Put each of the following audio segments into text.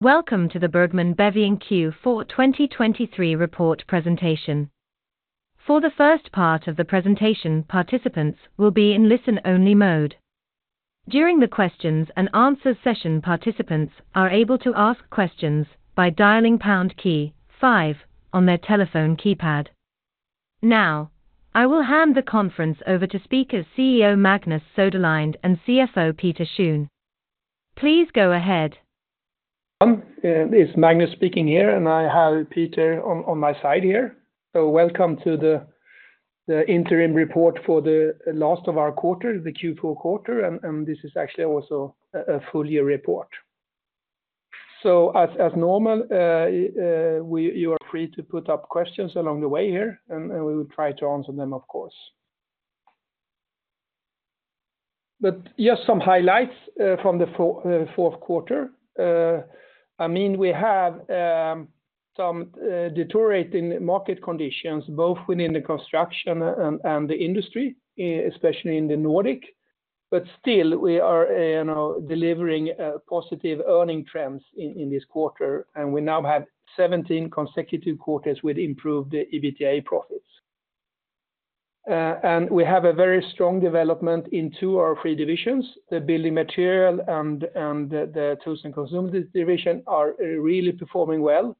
Welcome to the Bergman & Beving Q4 2023 report presentation. For the first part of the presentation, participants will be in listen-only mode. During the questions and answers session, participants are able to ask questions by dialing pound key five on their telephone keypad. Now, I will hand the conference over to speakers CEO Magnus Söderlind and CFO Peter Schön. Please go ahead. It's Magnus speaking here, and I have Peter on my side here. So welcome to the interim report for the last of our quarter, the Q4 quarter, and this is actually also a full-year report. So as normal, you are free to put up questions along the way here, and we will try to answer them, of course. But just some highlights from the fourth quarter. I mean, we have some deteriorating market conditions, both within the construction and the industry, especially in the Nordic. But still, we are delivering positive earning trends in this quarter, and we now have 17 consecutive quarters with improved EBITDA profits. And we have a very strong development in two of our three divisions. The Building Materials and the Tools and Consumables division are really performing well.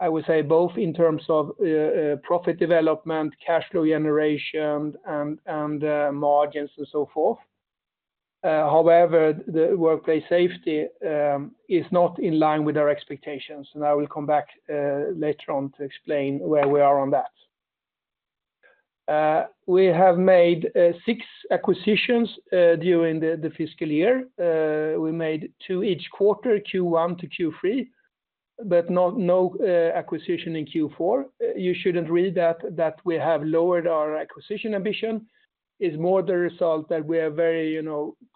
I would say both in terms of profit development, cash flow generation, and margins, and so forth. However, the workplace safety is not in line with our expectations, and I will come back later on to explain where we are on that. We have made six acquisitions during the fiscal year. We made two each quarter, Q1 to Q3. But no acquisition in Q4. You shouldn't read that that we have lowered our acquisition ambition. It's more the result that we are very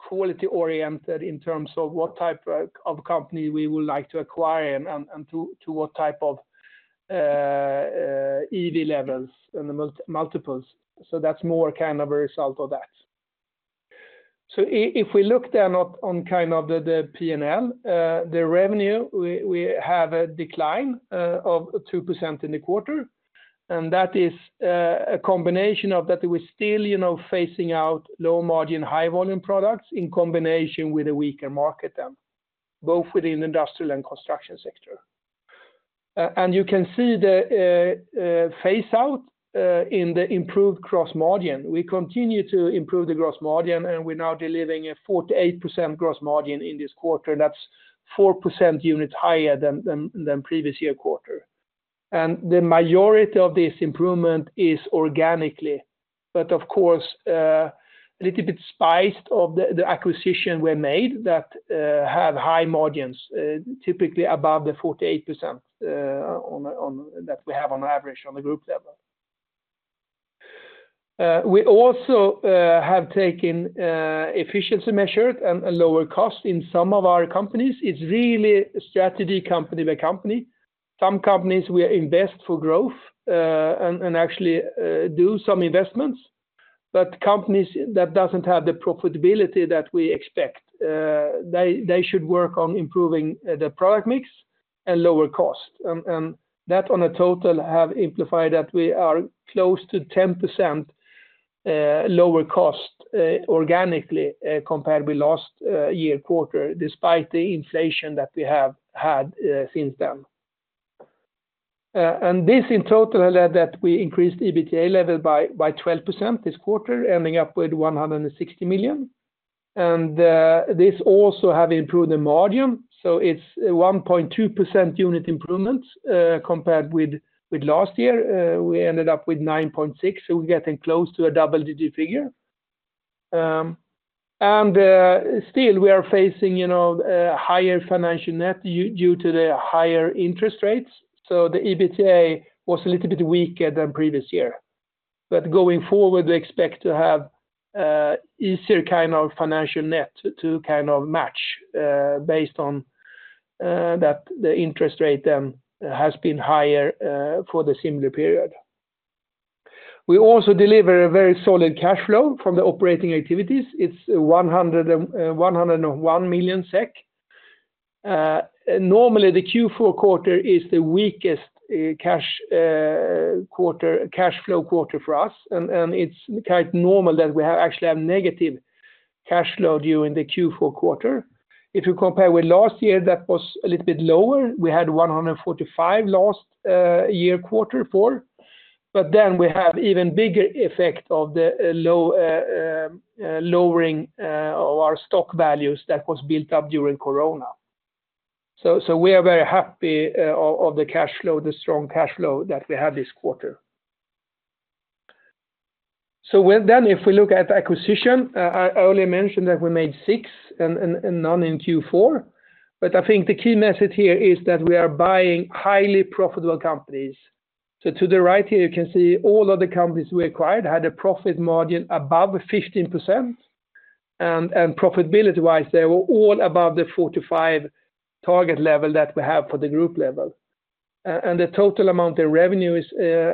quality-oriented in terms of what type of company we would like to acquire and to what type of EV levels and the multiples. So that's more kind of a result of that. So if we look then on kind of the P&L, the revenue, we have a decline of 2% in the quarter. And that is a combination of that. We're still facing out low-margin, high-volume products in combination with a weaker market, then. Both within the industrial and construction sector. You can see the payoff in the improved gross margin. We continue to improve the gross margin, and we're now delivering a 48% gross margin in this quarter. That's 4% units higher than the previous year quarter. The majority of this improvement is organically. Of course, a little bit spiced by the acquisitions we made that have high margins, typically above the 48% that we have on average on the group level. We also have taken efficiency measures and lower costs in some of our companies. It's really strategy company by company. Some companies we invest for growth and actually do some investments. Companies that don't have the profitability that we expect, they should work on improving the product mix and lower cost. That, on a total, has amplified that we are close to 10% lower cost organically compared with last year quarter, despite the inflation that we have had since then. And this, in total, has led to that we increased EBITDA level by 12% this quarter, ending up with 160 million. And this also has improved the margin. So it's 1.2% unit improvements compared with last year. We ended up with 9.6%, so we're getting close to a double-digit figure. And still, we are facing higher financial net due to the higher interest rates. So the EBITDA was a little bit weaker than previous year. But going forward, we expect to have an easier kind of financial net to kind of match based on that the interest rate then has been higher for the similar period. We also deliver a very solid cash flow from the operating activities. It's 101 million SEK. Normally, the Q4 quarter is the weakest cash flow quarter for us, and it's quite normal that we actually have negative cash flow during the Q4 quarter. If you compare with last year, that was a little bit lower. We had 145 million last year, quarter four. But then we have an even bigger effect of the lowering of our stock values that was built up during Corona. So we are very happy of the cash flow, the strong cash flow that we had this quarter. So then, if we look at acquisition, I earlier mentioned that we made six and none in Q4. But I think the key message here is that we are buying highly profitable companies. So to the right here, you can see all of the companies we acquired had a profit margin above 15%. Profitability-wise, they were all above the 45 target level that we have for the group level. The total amount of revenue is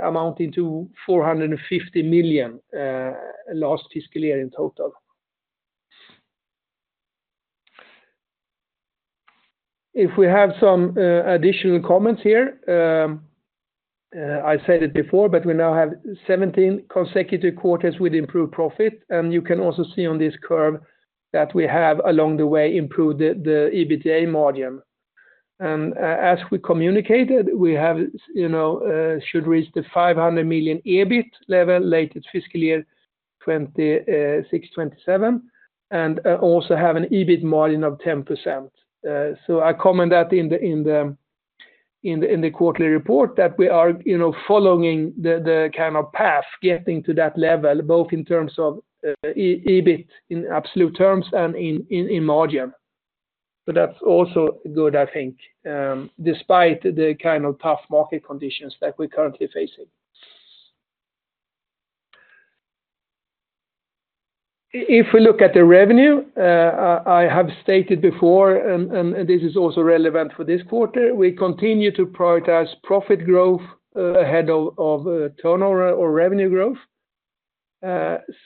amounting to 450 million last fiscal year in total. If we have some additional comments here. I said it before, but we now have 17 consecutive quarters with improved profit. You can also see on this curve that we have along the way improved the EBITDA margin. As we communicated, we should reach the 500 million EBIT level late fiscal year 2026/2027. Also have an EBIT margin of 10%. So I comment that in the quarterly report that we are following the kind of path getting to that level, both in terms of EBIT in absolute terms and in margin. That's also good, I think, despite the kind of tough market conditions that we're currently facing. If we look at the revenue, I have stated before, and this is also relevant for this quarter, we continue to prioritize profit growth ahead of turnover or revenue growth.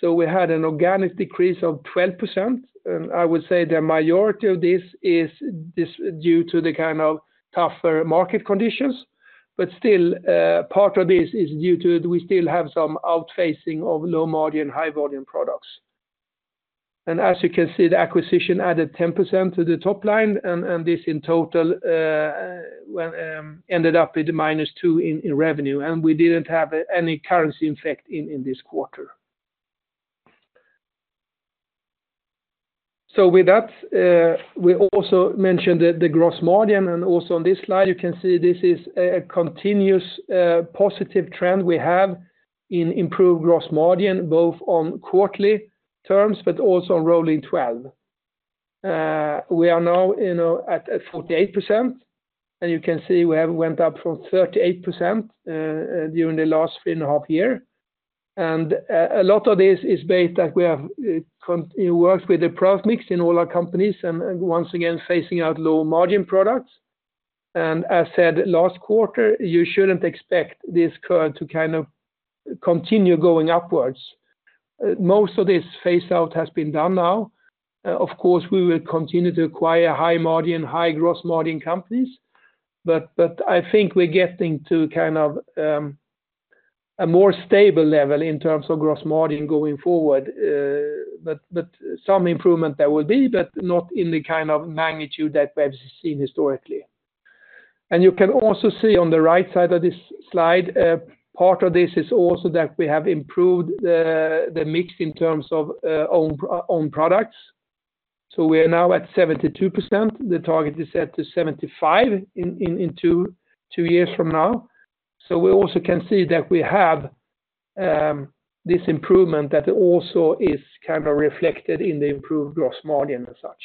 So we had an organic decrease of 12%. And I would say the majority of this is due to the kind of tougher market conditions. But still, part of this is due to we still have some phasing out of low-margin, high-volume products. And as you can see, the acquisition added 10% to the top line, and this in total ended up with -2 in revenue, and we didn't have any currency effect in this quarter. So with that, we also mentioned the gross margin. And also on this slide, you can see this is a continuous positive trend we have in improved gross margin, both on quarterly terms but also on rolling 12. We are now at 48%. You can see we went up from 38% during the last 3.5 years. A lot of this is based that we have worked with the product mix in all our companies and once again phasing out low-margin products. And as said last quarter, you shouldn't expect this curve to kind of continue going upwards. Most of this phase out has been done now. Of course, we will continue to acquire high-margin, high-gross margin companies. But I think we're getting to kind of a more stable level in terms of gross margin going forward. But some improvement there will be, but not in the kind of magnitude that we have seen historically. And you can also see on the right side of this slide, part of this is also that we have improved the mix in terms of own products. So we are now at 72%. The target is set to 75% in two years from now. We also can see that we have this improvement that also is kind of reflected in the improved gross margin and such.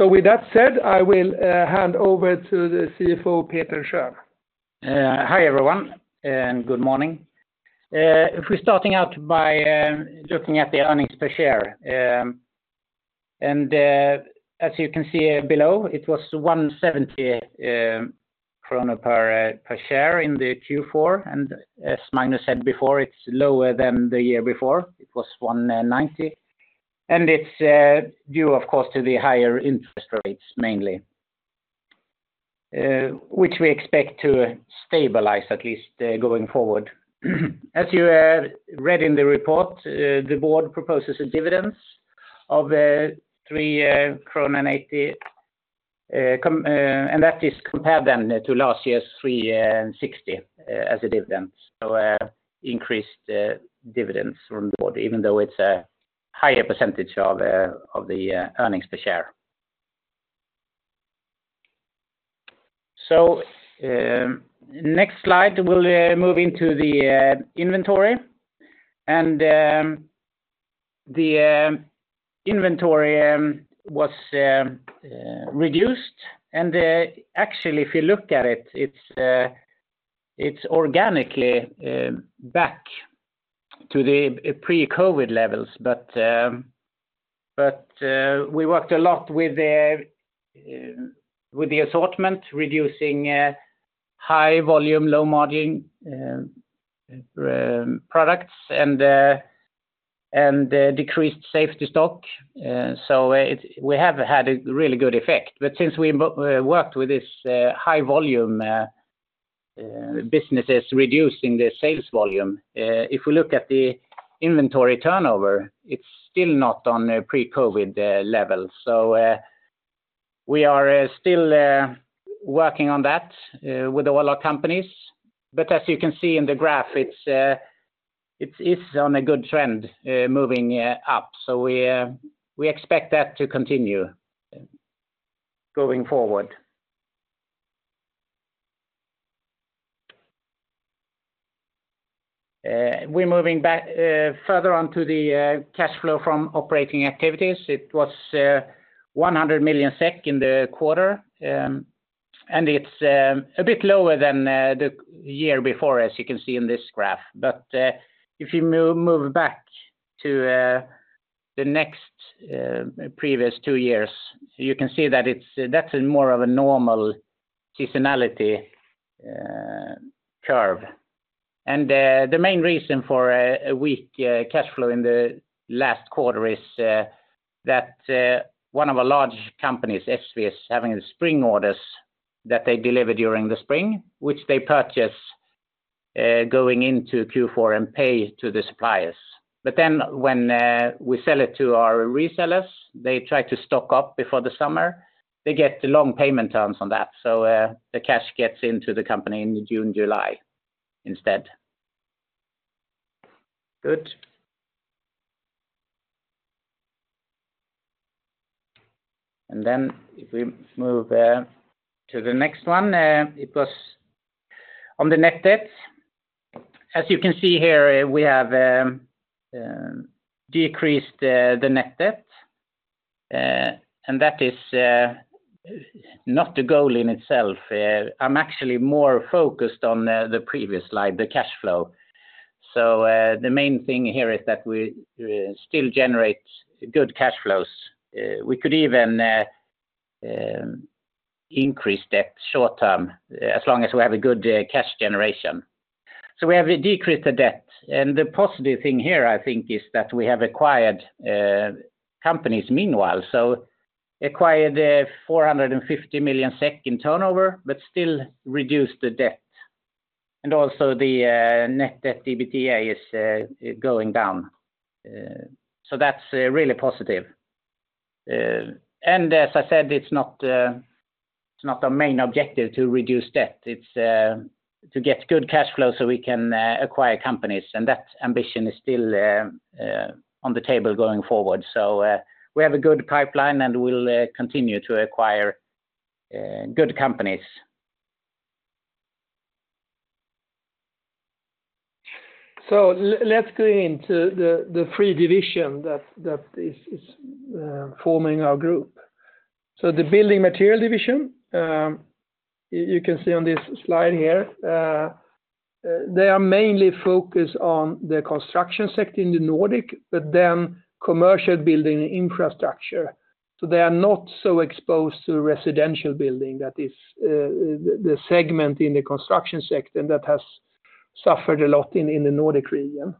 With that said, I will hand over to the CFO, Peter Schön. Hi, everyone, and good morning. If we're starting out by looking at the earnings per share. As you can see below, it was 1.70 krona per share in the Q4. As Magnus said before, it's lower than the year before. It was 1.90. It's due, of course, to the higher interest rates, mainly. Which we expect to stabilize, at least going forward. As you read in the report, the board proposes a dividend of 3.80 krona. That is compared then to last year's 3.60 as a dividend. Increased dividends from the board, even though it's a higher percentage of the earnings per share. Next slide, we'll move into the inventory. The inventory was reduced. Actually, if you look at it, it's organically back to the pre-COVID levels. But we worked a lot with the assortment, reducing high-volume, low-margin products and decreased safety stock. So we have had a really good effect. But since we worked with these high-volume businesses reducing their sales volume, if we look at the inventory turnover, it's still not on pre-COVID levels. So we are still working on that with all our companies. But as you can see in the graph, it is on a good trend, moving up. So we expect that to continue going forward. We're moving further on to the cash flow from operating activities. It was 100 million SEK in the quarter. And it's a bit lower than the year before, as you can see in this graph. But if you move back to the next previous two years, you can see that that's more of a normal seasonality curve. The main reason for a weak cash flow in the last quarter is that one of our large companies, ESSVE, is having spring orders that they delivered during the spring, which they purchase going into Q4 and pay to the suppliers. But then when we sell it to our resellers, they try to stock up before the summer. They get long payment terms on that. So the cash gets into the company in June, July instead. Good. Then if we move to the next one, it was on the net debt. As you can see here, we have decreased the net debt. And that is not the goal in itself. I'm actually more focused on the previous slide, the cash flow. So the main thing here is that we still generate good cash flows. We could even increase debt short-term as long as we have a good cash generation. So we have decreased the debt. And the positive thing here, I think, is that we have acquired companies meanwhile. So acquired 450 million in turnover, but still reduced the debt. And also the net debt EBITDA is going down. So that's really positive. And as I said, it's not our main objective to reduce debt. It's to get good cash flow so we can acquire companies. And that ambition is still on the table going forward. So we have a good pipeline and we'll continue to acquire good companies. So let's go into the three divisions that are forming our group. The Building Materials division, you can see on this slide here. They are mainly focused on the construction sector in the Nordic, but then commercial building and infrastructure. So they are not so exposed to residential building. That is the segment in the construction sector that has suffered a lot in the Nordic region.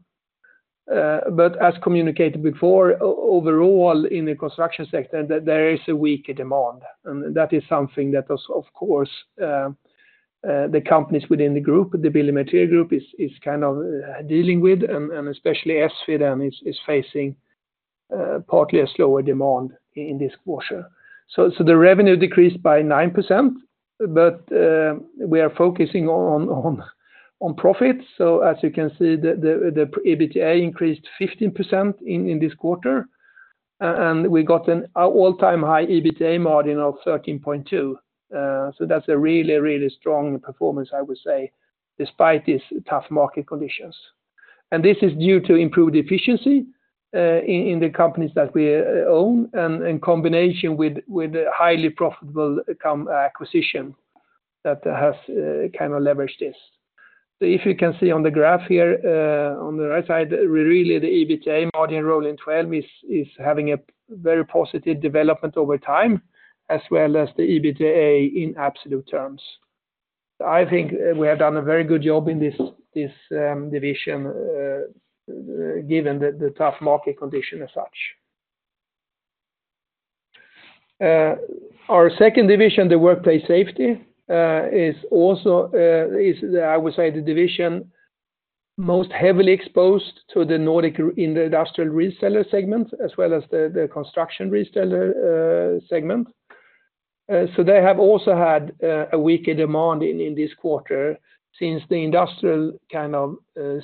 But as communicated before, overall in the construction sector, there is a weaker demand. And that is something that, of course, the companies within the group, the Building Materials group, are kind of dealing with. And especially ESSVE then is facing partly a slower demand in this quarter. So the revenue decreased by 9%, but we are focusing on profit. So as you can see, the EBITDA increased 15% in this quarter. And we got an all-time high EBITDA margin of 13.2%. That's a really, really strong performance, I would say, despite these tough market conditions. This is due to improved efficiency in the companies that we own and in combination with highly profitable acquisition that has kind of leveraged this. If you can see on the graph here on the right side, really the EBITDA margin rolling 12 is having a very positive development over time, as well as the EBITDA in absolute terms. I think we have done a very good job in this division given the tough market condition as such. Our second division, the workplace safety, is also, I would say, the division most heavily exposed to the Nordic in the industrial reseller segment, as well as the construction reseller segment. They have also had a weaker demand in this quarter since the industrial kind of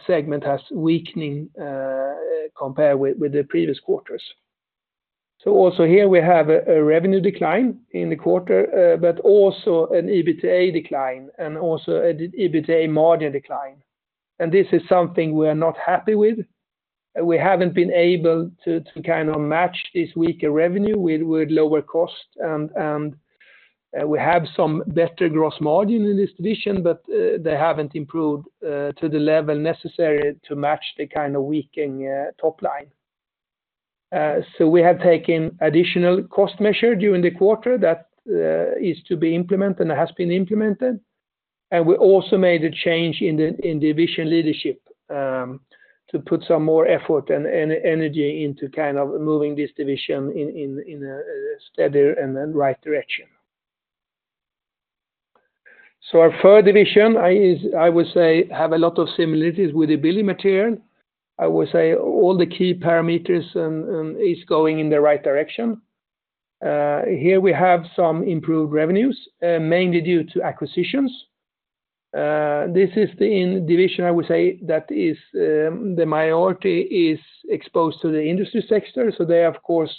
segment has weakened compared with the previous quarters. So also here we have a revenue decline in the quarter, but also an EBITDA decline and also an EBITDA margin decline. And this is something we are not happy with. We haven't been able to kind of match this weaker revenue with lower cost. And we have some better gross margin in this division, but they haven't improved to the level necessary to match the kind of weakening top line. So we have taken additional cost measures during the quarter that is to be implemented and has been implemented. And we also made a change in division leadership to put some more effort and energy into kind of moving this division in a steadier and right direction. So our third division, I would say, has a lot of similarities with the building material. I would say all the key parameters are going in the right direction. Here we have some improved revenues, mainly due to acquisitions. This is the division, I would say, that the majority is exposed to the industry sector. So they, of course,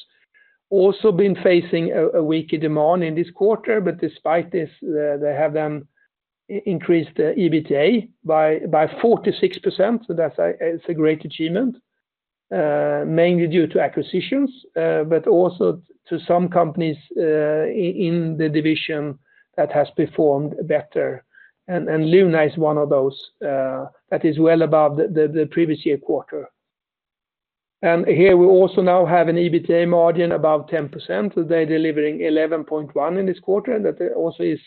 also been facing a weaker demand in this quarter. But despite this, they have then increased the EBITDA by 46%. So that's a great achievement, mainly due to acquisitions, but also to some companies in the division that have performed better. And Luna is one of those that is well above the previous year quarter. And here we also now have an EBITDA margin above 10%. They're delivering 11.1% in this quarter. That also is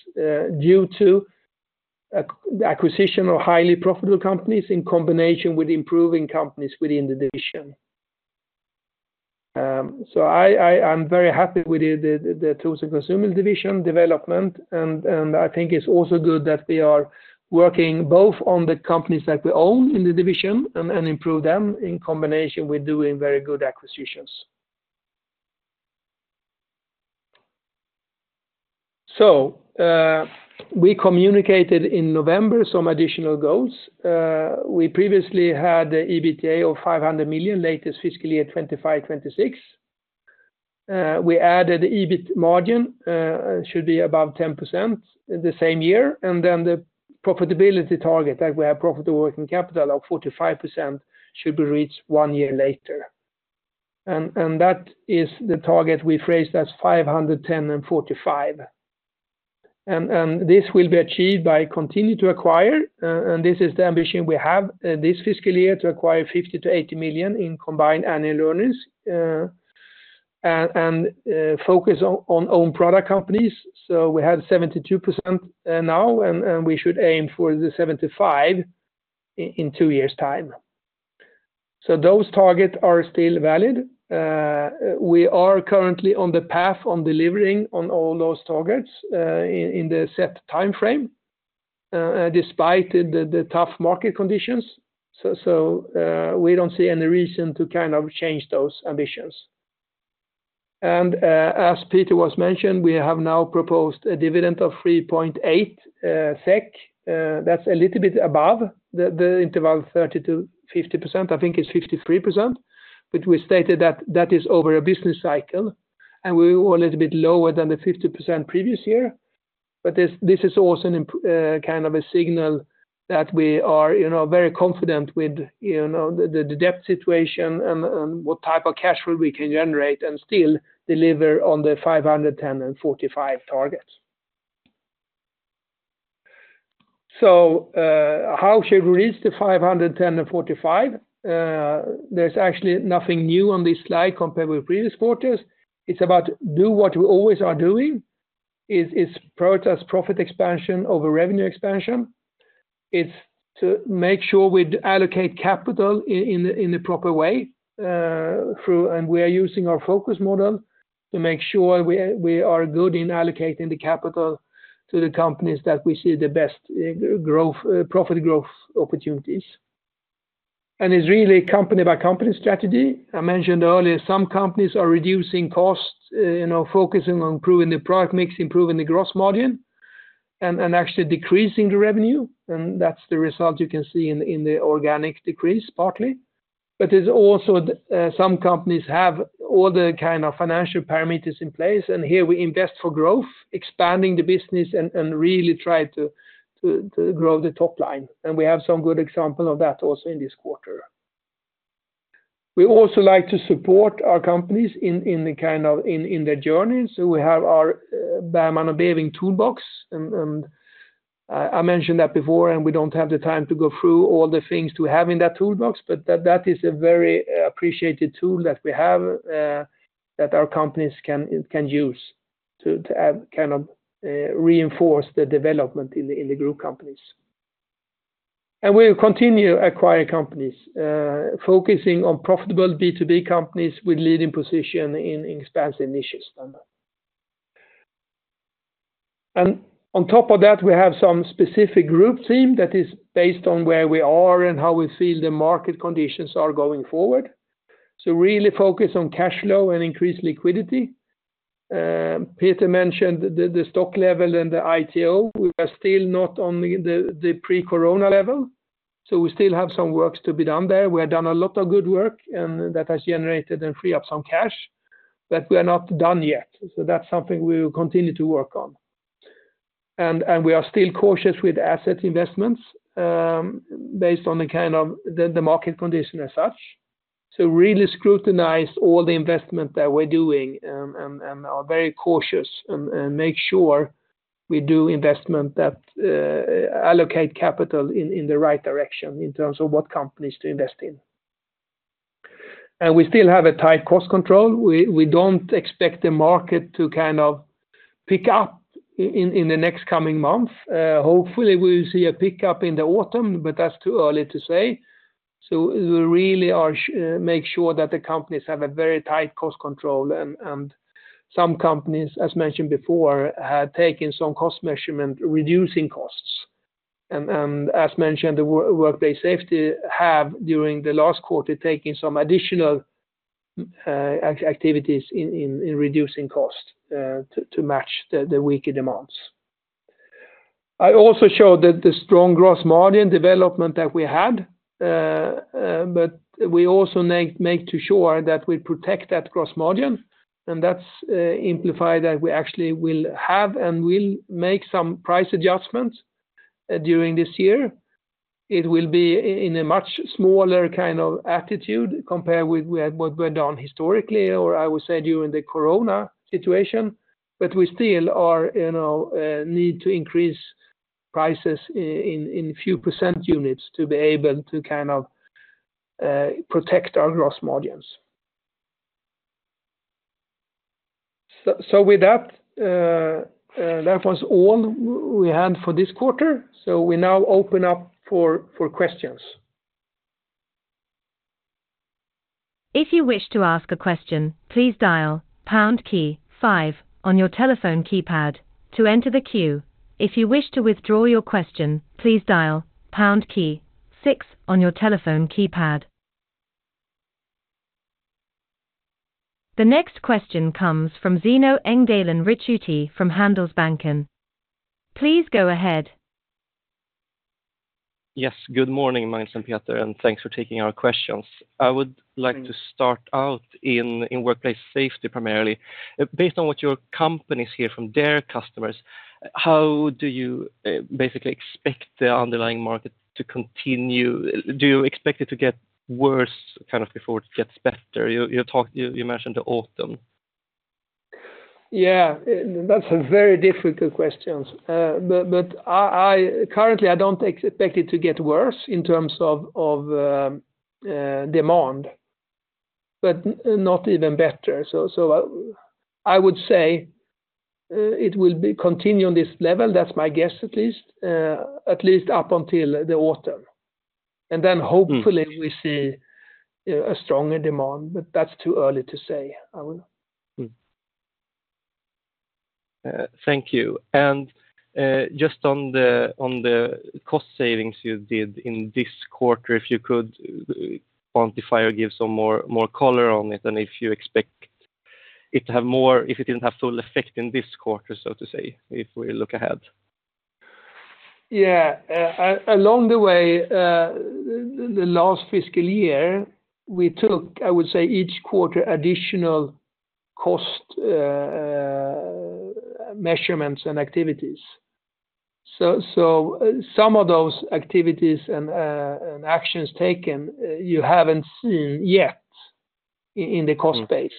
due to the acquisition of highly profitable companies in combination with improving companies within the division. So I'm very happy with the Tools and Consumables division development. I think it's also good that we are working both on the companies that we own in the division and improve them in combination with doing very good acquisitions. We communicated in November some additional goals. We previously had the EBITDA of 500 million latest fiscal year 2025-2026. We added the EBIT margin should be above 10% the same year. And then the profitability target that we have, profitable working capital of 45%, should be reached one year later. And that is the target we phrased as 500/10/45. And this will be achieved by continuing to acquire. And this is the ambition we have this fiscal year, to acquire 50 million-80 million in combined annual earnings and focus on own product companies. We have 72% now, and we should aim for the 75% in two years' time. Those targets are still valid. We are currently on the path of delivering on all those targets in the set time frame, despite the tough market conditions. So we don't see any reason to kind of change those ambitions. And as Peter was mentioned, we have now proposed a dividend of 3.8% SEK. That's a little bit above the interval 30%-50%. I think it's 53%. But we stated that that is over a business cycle. And we were a little bit lower than the 50% previous year. But this is also kind of a signal that we are very confident with the debt situation and what type of cash flow we can generate and still deliver on the 500/10/45 targets. So how should we reach the 500/10/45? There's actually nothing new on this slide compared with previous quarters. It's about doing what we always are doing. It's prioritize profit expansion over revenue expansion. It's to make sure we allocate capital in the proper way. And we are using our Focus Model to make sure we are good in allocating the capital to the companies that we see the best profit growth opportunities. And it's really company-by-company strategy. I mentioned earlier, some companies are reducing costs, focusing on improving the product mix, improving the gross margin, and actually decreasing the revenue. And that's the result you can see in the organic decrease, partly. But there's also some companies that have all the kind of financial parameters in place. And here we invest for growth, expanding the business, and really try to grow the top line. And we have some good examples of that also in this quarter. We also like to support our companies in their journey. So we have our Bergman & Beving Toolbox. I mentioned that before, and we don't have the time to go through all the things to have in that toolbox. That is a very appreciated tool that we have that our companies can use to kind of reinforce the development in the group companies. We continue to acquire companies, focusing on profitable B2B companies with leading position in expansion initiatives. On top of that, we have some specific group team that is based on where we are and how we feel the market conditions are going forward. We really focus on cash flow and increased liquidity. Peter mentioned the stock level and the ITO. We are still not on the pre-Corona level. We still have some work to be done there. We have done a lot of good work, and that has generated and freed up some cash. We are not done yet. That's something we will continue to work on. We are still cautious with asset investments based on the kind of market condition as such. We really scrutinize all the investment that we're doing and are very cautious and make sure we do investment that allocates capital in the right direction in terms of what companies to invest in. We still have a tight cost control. We don't expect the market to kind of pick up in the next coming month. Hopefully, we will see a pickup in the autumn, but that's too early to say. We really make sure that the companies have a very tight cost control. Some companies, as mentioned before, have taken some cost measurements reducing costs. As mentioned, the workplace safety has during the last quarter taken some additional activities in reducing costs to match the weaker demands. I also showed the strong gross margin development that we had. But we also make sure that we protect that gross margin. And that's implied that we actually will have and will make some price adjustments during this year. It will be in a much smaller kind of attitude compared with what we've done historically, or I would say during the Corona situation. But we still need to increase prices in a few percent units to be able to kind of protect our gross margins. So with that, that was all we had for this quarter. So we now open up for questions. If you wish to ask a question, please dial pound key 5 on your telephone keypad to enter the queue. If you wish to withdraw your question, please dial pound key 6 on your telephone keypad. The next question comes from Zeno Engdalen Ricciuti from Handelsbanken. Please go ahead. Yes. Good morning, Magnus and Peter. Thanks for taking our questions. I would like to start out in workplace safety primarily. Based on what your company's heard from their customers, how do you basically expect the underlying market to continue? Do you expect it to get worse kind of before it gets better? You mentioned the autumn. Yeah. That's a very difficult question. But currently, I don't expect it to get worse in terms of demand, but not even better. So I would say it will continue on this level. That's my guess, at least up until the autumn. And then hopefully, we see a stronger demand. But that's too early to say. Thank you. Just on the cost savings you did in this quarter, if you could quantify or give some more color on it, and if you expect it to have more if it didn't have full effect in this quarter, so to say, if we look ahead? Yeah. Along the way, the last fiscal year, we took, I would say, each quarter additional cost measurements and activities. So some of those activities and actions taken, you haven't seen yet in the cost base.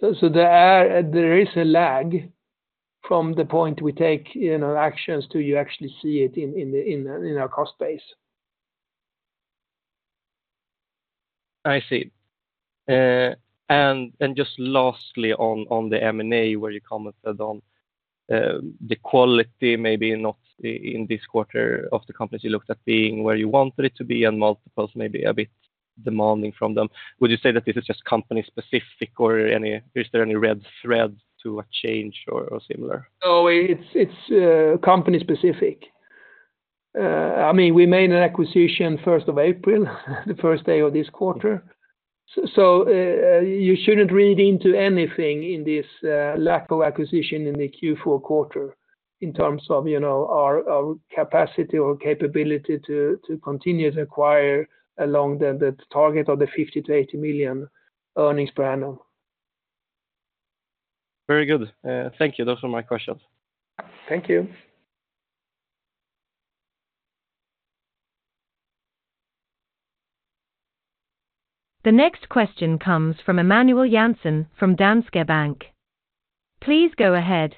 So there is a lag from the point we take actions till you actually see it in our cost base. I see. And just lastly, on the M&A where you commented on the quality, maybe not in this quarter of the companies you looked at being where you wanted it to be and multiples maybe a bit demanding from them, would you say that this is just company-specific or is there any red thread to a change or similar? No, it's company-specific. I mean, we made an acquisition 1st of April, the first day of this quarter. So you shouldn't read into anything in this lack of acquisition in the Q4 quarter in terms of our capacity or capability to continue to acquire along the target of the 50 million-80 million earnings per annum. Very good. Thank you. Those are my questions. Thank you. The next question comes from Emanuel Jansson from Danske Bank. Please go ahead.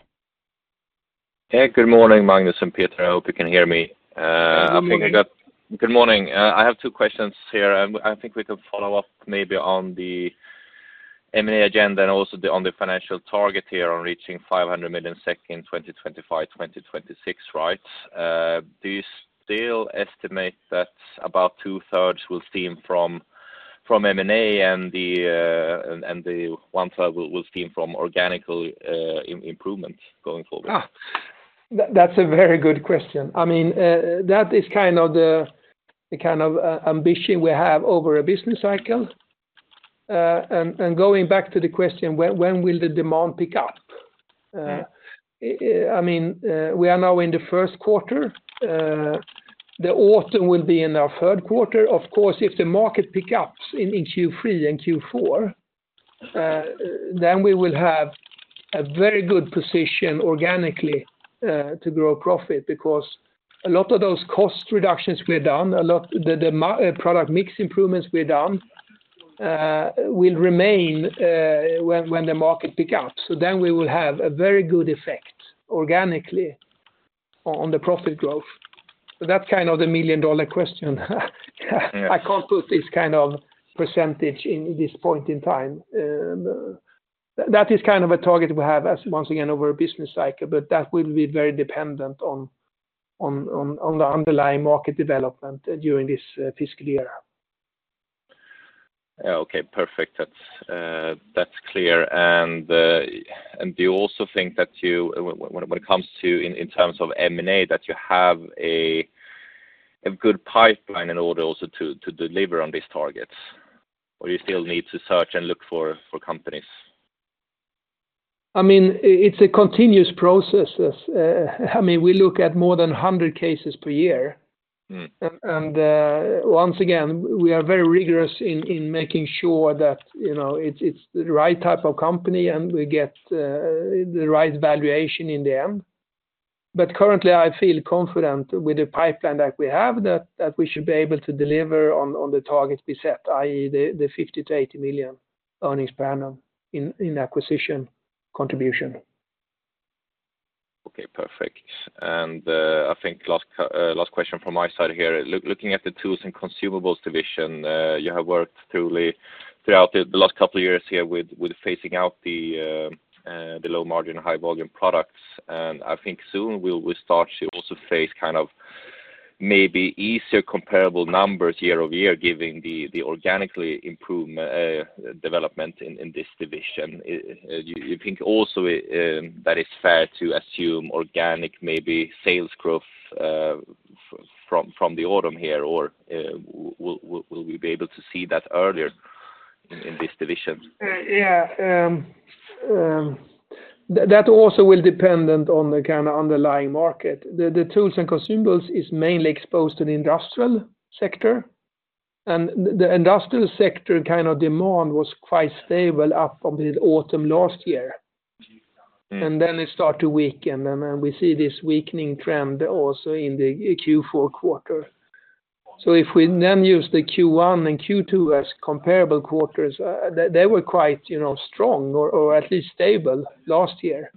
Hey, good morning, Magnus and Peter. I hope you can hear me. I think I got good morning. I have two questions here. I think we can follow up maybe on the M&A agenda and also on the financial target here on reaching 500 million in 2025-2026, right? Do you still estimate that about two-thirds will stem from M&A and the one-third will stem from organic improvement going forward? That's a very good question. I mean, that is kind of the kind of ambition we have over a business cycle. And going back to the question, when will the demand pick up? I mean, we are now in the first quarter. The autumn will be in our third quarter. Of course, if the market picks up in Q3 and Q4, then we will have a very good position organically to grow profit because a lot of those cost reductions we have done, a lot of the product mix improvements we have done will remain when the market picks up. So then we will have a very good effect organically on the profit growth. So that's kind of the million-dollar question. I can't put this kind of percentage in this point in time. That is kind of a target we have once again over a business cycle, but that will be very dependent on the underlying market development during this fiscal year. Okay. Perfect. That's clear. Do you also think that when it comes to in terms of M&A, that you have a good pipeline in order also to deliver on these targets, or do you still need to search and look for companies? I mean, it's a continuous process. I mean, we look at more than 100 cases per year. Once again, we are very rigorous in making sure that it's the right type of company and we get the right valuation in the end. Currently, I feel confident with the pipeline that we have that we should be able to deliver on the targets we set, i.e., the 50 million-80 million earnings per annum in acquisition contribution. Okay. Perfect. I think last question from my side here. Looking at the Tools and Consumables division, you have worked throughout the last couple of years here with phasing out the low-margin, high-volume products. I think soon we'll start to also face kind of maybe easier comparable numbers year-over-year, given the organically improved development in this division. Do you think also that it's fair to assume organic maybe sales growth from the autumn here, or will we be able to see that earlier in this division? Yeah. That also will depend on the kind of underlying market. The Tools and Consumables is mainly exposed to the industrial sector. And the industrial sector kind of demand was quite stable up until autumn last year. And then it started to weaken. And we see this weakening trend also in the Q4 quarter. So if we then use the Q1 and Q2 as comparable quarters, they were quite strong or at least stable last year.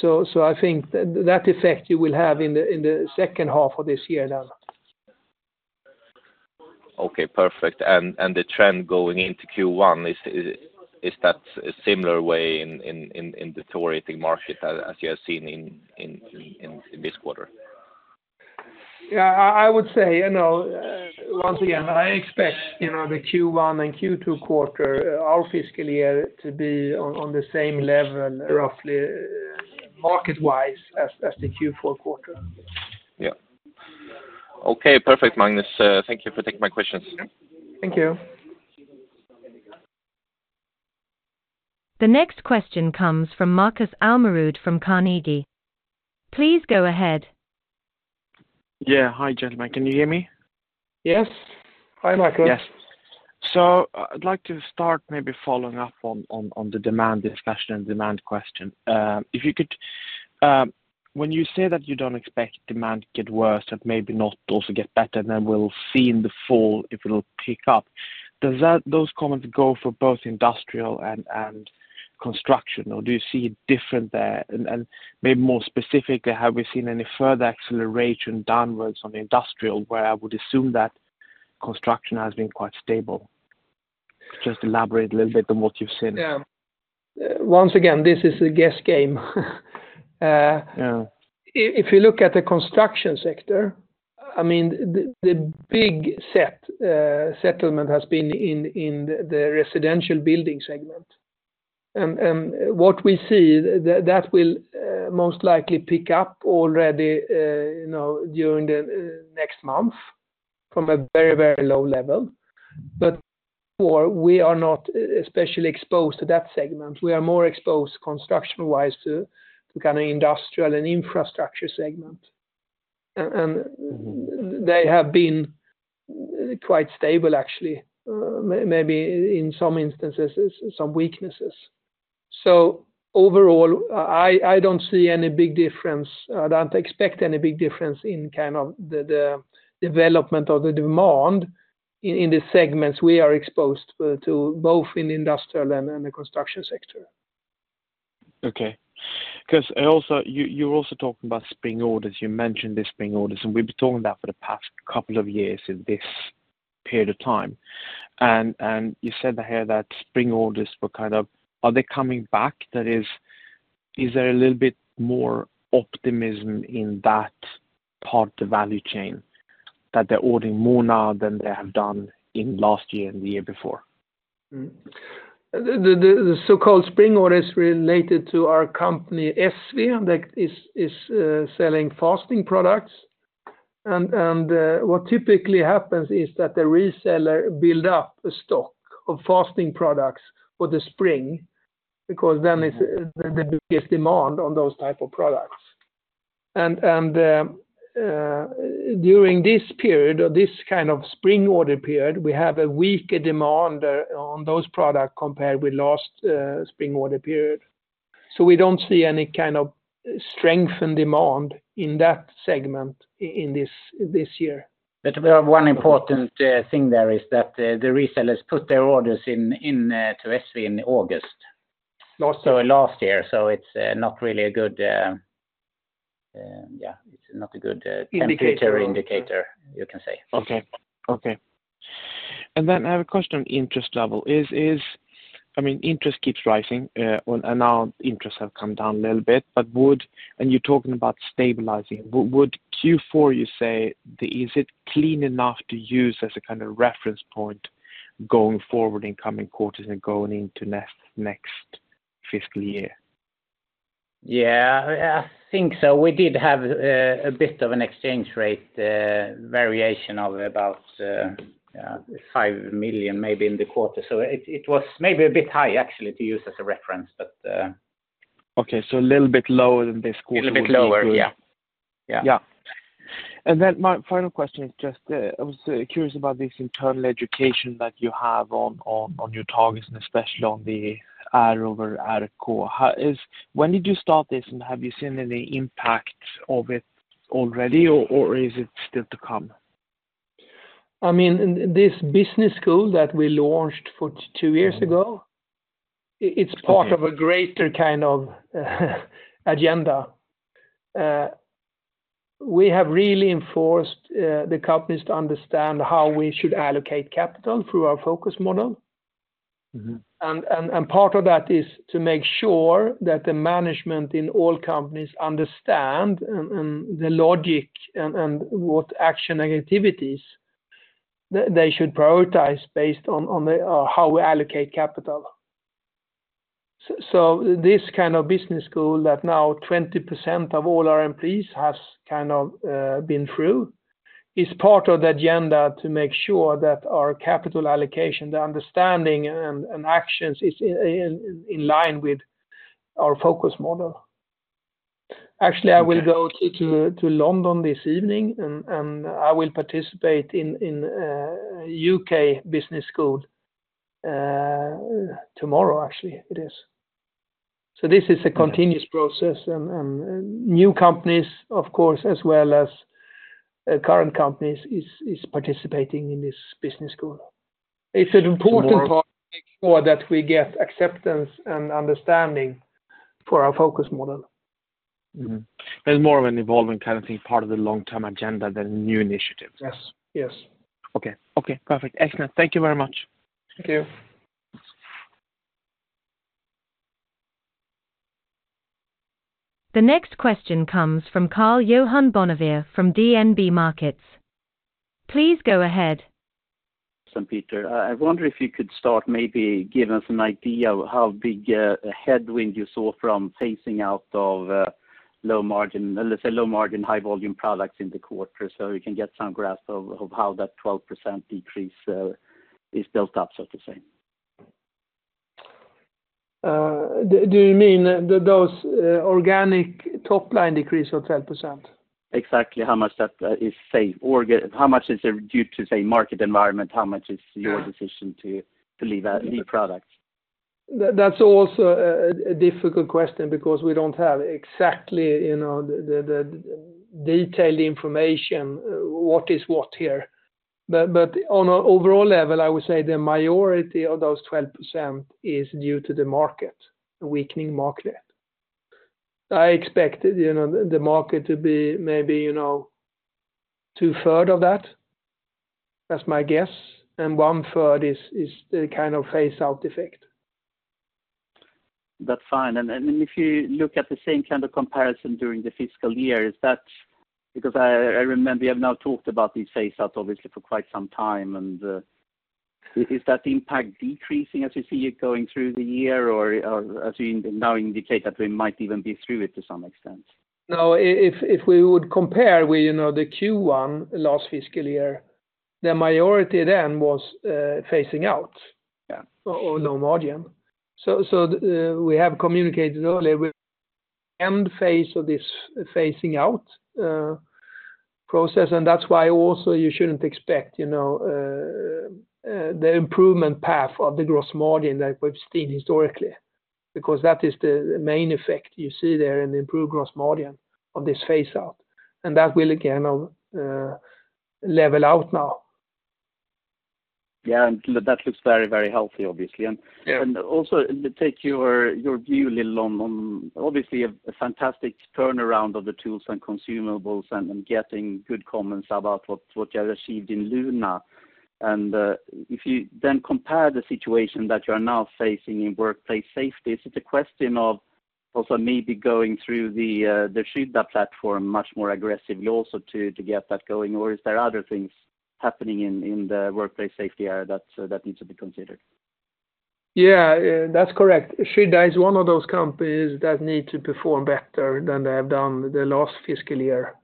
So I think that effect you will have in the second half of this year then. Okay. Perfect. The trend going into Q1, is that a similar way in the Nordic market as you have seen in this quarter? Yeah. I would say, once again, I expect the Q1 and Q2 quarter, our fiscal year, to be on the same level, roughly market-wise, as the Q4 quarter. Yeah. Okay. Perfect, Magnus. Thank you for taking my questions. Thank you. The next question comes from Markus Almerud from Carnegie. Please go ahead. Yeah. Hi, gentlemen. Can you hear me? Yes. Hi, Markus. Yes. So I'd like to start maybe following up on the demand discussion and demand question. If you could, when you say that you don't expect demand to get worse, but maybe not also get better, then we'll see in the fall if it'll pick up, do those comments go for both industrial and construction, or do you see it different there? And maybe more specifically, have we seen any further acceleration downwards on industrial where I would assume that construction has been quite stable? Just elaborate a little bit on what you've seen. Yeah. Once again, this is a guess game. If you look at the construction sector, I mean, the big settlement has been in the residential building segment. What we see, that will most likely pick up already during the next month from a very, very low level. But before, we are not especially exposed to that segment. We are more exposed construction-wise to kind of industrial and infrastructure segment. They have been quite stable, actually, maybe in some instances, some weaknesses. So overall, I don't see any big difference. I don't expect any big difference in kind of the development of the demand in the segments we are exposed to, both in the industrial and the construction sector. Okay. Because you were also talking about spring orders. You mentioned the spring orders. And we've been talking about that for the past couple of years in this period of time. And you said here that spring orders were kind of are they coming back? That is, is there a little bit more optimism in that part of the value chain that they're ordering more now than they have done in last year and the year before? The so-called spring orders related to our company ESSVE that is selling fastening products. What typically happens is that the reseller builds up a stock of fastening products for the spring because then it's the biggest demand on those type of products. During this period or this kind of spring order period, we have a weaker demand on those products compared with last spring order period. We don't see any kind of strengthened demand in that segment in this year. But one important thing there is that the resellers put their orders in to ESSVE in August, so last year. So it's not really a good yeah. It's not a good temperature indicator, you can say. Okay. Okay. And then I have a question on interest level. I mean, interest keeps rising, and now interests have come down a little bit. And you're talking about stabilizing. Would Q4, you say, is it clean enough to use as a kind of reference point going forward in coming quarters and going into next fiscal year? Yeah. I think so. We did have a bit of an exchange rate variation of about 5 million maybe in the quarter. So it was maybe a bit high, actually, to use as a reference, but. Okay. So a little bit lower than this quarter we're looking for. A little bit lower. Yeah. My final question is just, I was curious about this internal education that you have on your targets and especially on the R over Rco. When did you start this, and have you seen any impact of it already, or is it still to come? I mean, this business school that we launched two years ago, it's part of a greater kind of agenda. We have really enforced the companies to understand how we should allocate capital through our Focus Model. And part of that is to make sure that the management in all companies understand the logic and what action activities they should prioritize based on how we allocate capital. So this kind of business school that now 20% of all our employees has kind of been through is part of the agenda to make sure that our capital allocation, the understanding, and actions is in line with our Focus Model. Actually, I will go to London this evening, and I will participate in U.K. business school tomorrow, actually. It is. So this is a continuous process. And new companies, of course, as well as current companies, are participating in this business school. It's an important part to make sure that we get acceptance and understanding for our Focus Model. But it's more of an evolving kind of thing, part of the long-term agenda than new initiatives. Yes. Yes. Okay. Okay. Perfect. Excellent. Thank you very much. Thank you. The next question comes from Karl-Johan Bonnevier from DNB Markets. Please go ahead. Peter, I wonder if you could start, maybe give us an idea of how big a headwind you saw from phasing out of low-margin, let's say low-margin, high-volume products in the quarter so we can get some grasp of how that 12% decrease is built up, so to say. Do you mean those organic top-line decrease of 12%? Exactly how much that is saved. How much is it due to, say, market environment? How much is your decision to leave products? That's also a difficult question because we don't have exactly the detailed information, what is what here. But on an overall level, I would say the majority of those 12% is due to the market, a weakening market. I expected the market to be maybe 2/3 of that, that's my guess. And 1/3 is the kind of phase-out effect. That's fine. If you look at the same kind of comparison during the fiscal year, is that because I remember you have now talked about these phase-outs, obviously, for quite some time? Is that impact decreasing as you see it going through the year, or as you now indicate that we might even be through it to some extent? No. If we would compare with the Q1 last fiscal year, the majority then was phasing out or low margin. So we have communicated earlier with the end phase of this phasing-out process. And that's why also you shouldn't expect the improvement path of the gross margin that we've seen historically because that is the main effect you see there in the improved gross margin of this phase-out. And that will again level out now. Yeah. And that looks very, very healthy, obviously. And also take your view a little on obviously, a fantastic turnaround of the Tools and Consumables and getting good comments about what you have achieved in Luna. And if you then compare the situation that you are now facing in workplace safety, is it a question of also maybe going through the Skydda platform much more aggressively also to get that going, or is there other things happening in the workplace safety area that needs to be considered? Yeah. That's correct. Skydda is one of those companies that need to perform better than they have done the last fiscal year.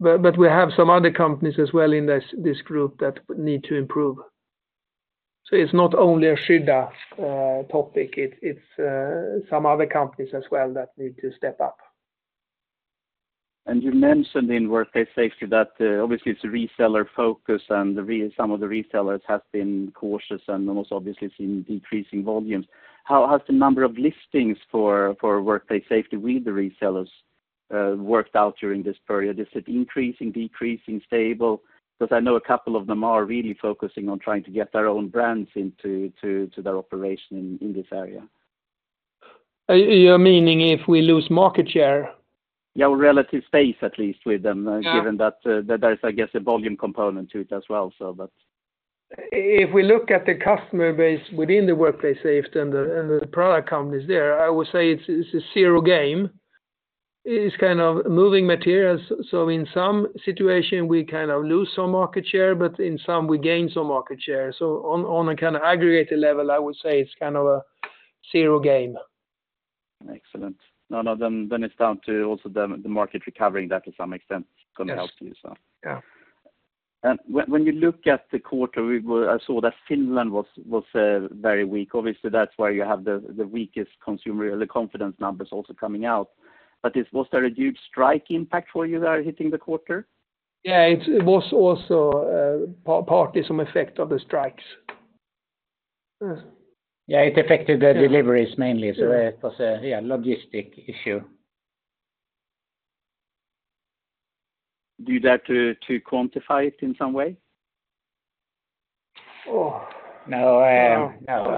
But we have some other companies as well in this group that need to improve. So it's not only a Skydda topic. It's some other companies as well that need to step up. You mentioned in workplace safety that obviously, it's a reseller focus, and some of the resellers have been cautious and also obviously seen decreasing volumes. How has the number of listings for workplace safety with the resellers worked out during this period? Is it increasing, decreasing, stable? Because I know a couple of them are really focusing on trying to get their own brands into their operation in this area. You're meaning if we lose market share? Yeah. Relative space, at least, with them, given that there's, I guess, a volume component to it as well, so. If we look at the customer base within the workplace safety and the product companies there, I would say it's a zero game. It's kind of moving materials. So in some situation, we kind of lose some market share, but in some, we gain some market share. So on a kind of aggregated level, I would say it's kind of a zero game. Excellent. No, no. Then it's down to also the market recovering that to some extent is going to help you, so. And when you look at the quarter, I saw that Finland was very weak. Obviously, that's where you have the weakest consumer confidence numbers also coming out. But was there a huge strike impact for you there hitting the quarter? Yeah. It was also partly some effect of the strikes. Yeah. It affected the deliveries mainly. It was a logistics issue. Do you dare to quantify it in some way? No. No.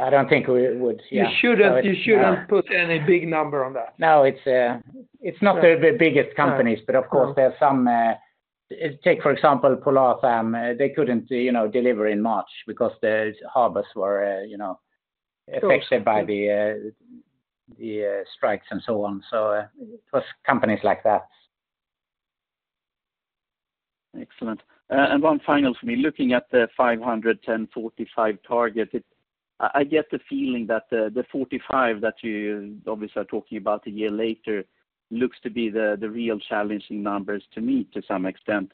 I don't think we would. Yeah. You shouldn't put any big number on that. No. It's not the biggest companies, but of course, there are some, take, for example, Polartherm. They couldn't deliver in March because the harbors were affected by the strikes and so on. So it was companies like that. Excellent. And one final for me. Looking at the 500/10/45 target, I get the feeling that the 45 that you obviously are talking about a year later looks to be the real challenging numbers to meet to some extent.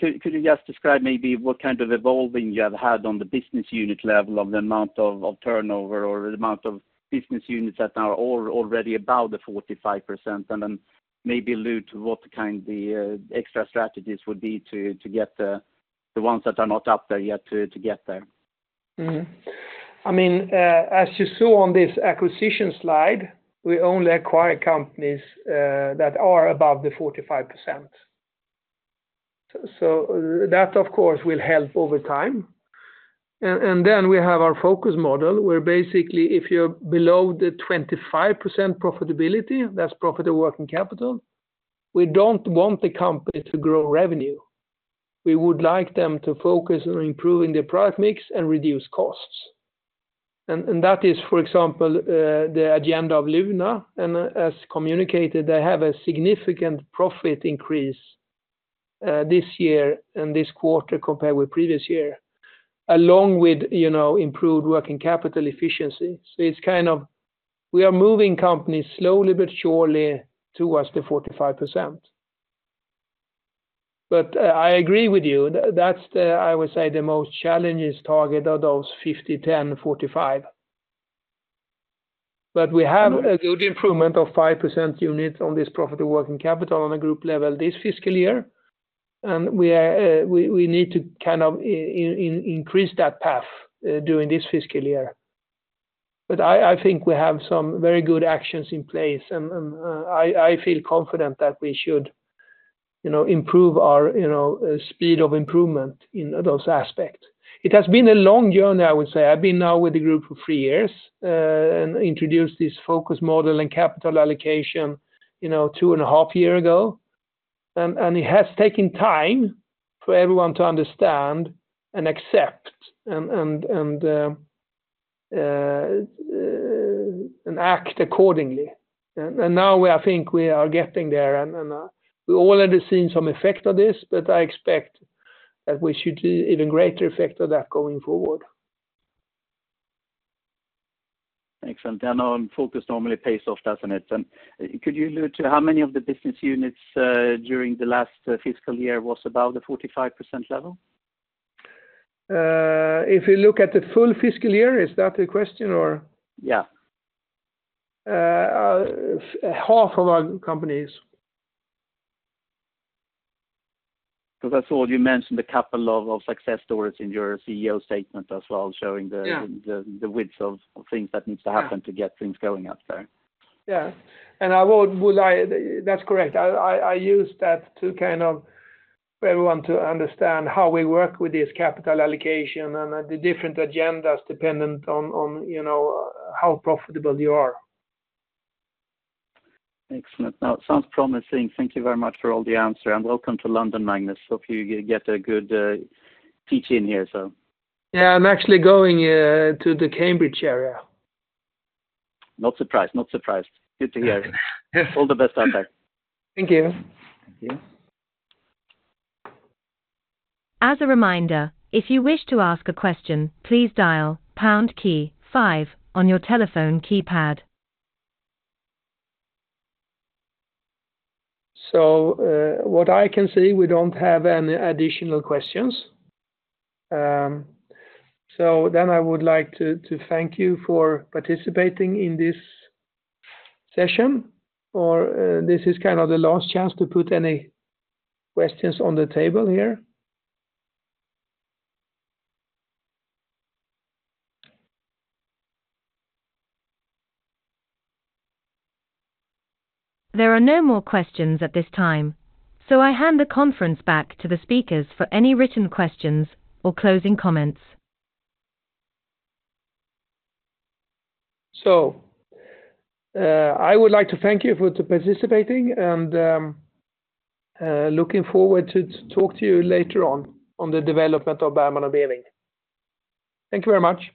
Could you just describe maybe what kind of evolving you have had on the business unit level of the amount of turnover or the amount of business units that are already above the 45% and then maybe allude to what kind of extra strategies would be to get the ones that are not up there yet to get there? I mean, as you saw on this acquisition slide, we only acquire companies that are above the 45%. So that, of course, will help over time. And then we have our Focus Model where basically, if you're below the 25% profitable working capital, that's Profitable Working Capital, we don't want the company to grow revenue. We would like them to focus on improving their product mix and reduce costs. And that is, for example, the agenda of Luna. And as communicated, they have a significant profit increase this year and this quarter compared with previous year, along with improved working capital efficiency. So it's kind of we are moving companies slowly but surely towards the 45%. But I agree with you. That's, I would say, the most challenging target of those 500/10/45. But we have a good improvement of 5% units on this profitable working capital on a group level this fiscal year. And we need to kind of increase that path during this fiscal year. But I think we have some very good actions in place. And I feel confident that we should improve our speed of improvement in those aspects. It has been a long journey, I would say. I've been now with the group for three years and introduced this Focus Model and capital allocation two and a half years ago. And it has taken time for everyone to understand and accept and act accordingly. And now, I think we are getting there. And we all have seen some effect of this, but I expect that we should see even greater effect of that going forward. Excellent. I know focus normally pays off, doesn't it? Could you allude to how many of the business units during the last fiscal year was above the 45% level? If you look at the full fiscal year, is that the question, or? Yeah. Half of our companies. Because I saw you mentioned a couple of success stories in your CEO statement as well, showing the width of things that needs to happen to get things going up there. Yeah. And that's correct. I used that to kind of everyone to understand how we work with this capital allocation and the different agendas dependent on how profitable you are. Excellent. Now, it sounds promising. Thank you very much for all the answers. Welcome to London, Magnus. Hope you get a good teach-in here, so. Yeah. I'm actually going to the Cambridge area. Not surprised. Not surprised. Good to hear. All the best out there. Thank you. Thank you. As a reminder, if you wish to ask a question, please dial pound key five on your telephone keypad. What I can see, we don't have any additional questions. I would like to thank you for participating in this session. This is kind of the last chance to put any questions on the table here. There are no more questions at this time, so I hand the conference back to the speakers for any written questions or closing comments. I would like to thank you for participating and looking forward to talking to you later on the development of Bergman & Beving. Thank you very much.